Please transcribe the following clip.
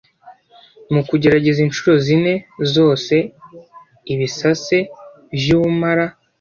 mu kugerageza incuro zine zose ibisase vy'ubumara